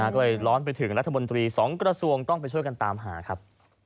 ก็เลยร้อนไปถึงรัฐมนตรี๒กระทรวงต้องไปช่วยกันตามหาครับ